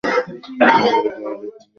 খবরের কাগজের সঙ্গে তোমার যোগ আছে বুঝি?